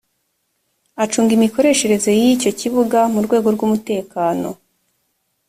acunga imikoreshereze y’icyo kibuga mu rwego rw’umutekano